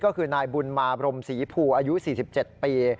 ก็คือนายบุญมาบรมศรีภูอายุ๔๗ปี